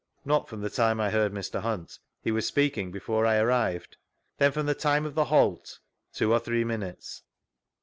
— Not from the time I beard Mr. Hmit; he was speaking before I arrived. Then from the time of the halt ?— Two or three minutes.